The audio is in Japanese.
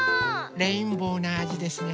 レインボーなあじですね。